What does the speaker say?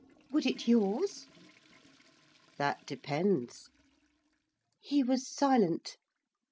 'Would it yours?' 'That depends.' He was silent.